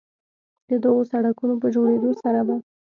د دغو سړکونو په جوړېدو سره به